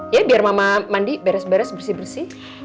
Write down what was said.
ya biar mama mandi beres beres bersih bersih